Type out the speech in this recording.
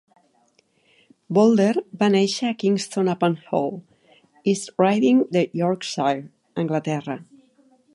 Bolder va néixer a Kingston upon Hull, East Riding de Yorkshire, Anglaterra.